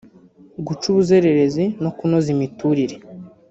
guca ubuzererezi no kunoza imiturire